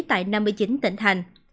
tại năm mươi chín tỉnh thành